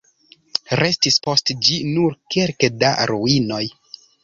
Restis post ĝi nur kelke da ruinoj.